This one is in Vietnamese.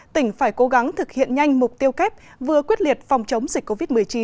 tỉnh phải cố gắng thực hiện nhanh mục tiêu kép vừa quyết liệt phòng chống dịch covid một mươi chín